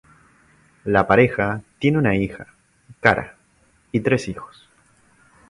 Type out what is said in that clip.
La pareja tiene una hija, Cara, y tres hijos.